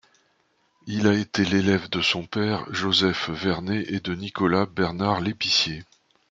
Il a été l’élève de son père, Joseph Vernet, et de Nicolas-Bernard Lépicié.